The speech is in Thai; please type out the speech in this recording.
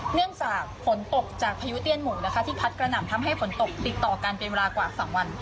เนื่องจากฝนตกจากพายุเตี้ยนหมุนนะคะที่พัดกระหน่ำทำให้ฝนตกติดต่อกันเป็นเวลากว่า๒วัน